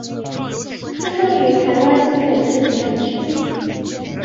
出生于台湾新北市土城区。